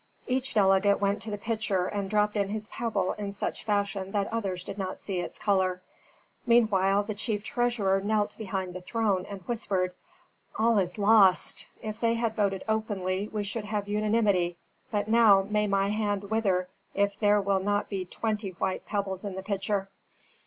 Each delegate went to the pitcher and dropped in his pebble in such fashion that others did not see its color. Meanwhile the chief treasurer knelt behind the throne, and whispered, "All is lost! If they had voted openly we should have unanimity; but now may my hand wither if there will not be twenty white pebbles in the pitcher."